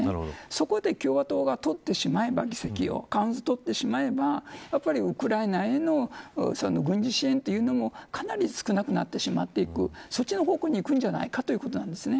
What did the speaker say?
そこで共和党が取ってしまえば議席をやはりウクライナへの軍事支援もかなり少なくなってしまっていくそっちの方向にいくんじゃないかということなんですね。